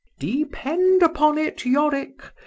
— Depend upon it, Yorick!